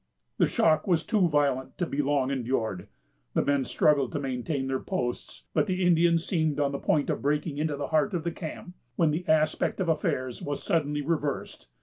The shock was too violent to be long endured. The men struggled to maintain their posts; but the Indians seemed on the point of breaking into the heart of the camp, when the aspect of affairs was suddenly reversed.